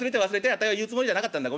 あたいは言うつもりじゃなかったんだ。